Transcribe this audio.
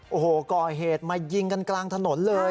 โอ้โหก่อเหตุมายิงกันกลางถนนเลย